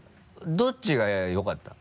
どっちがよかった？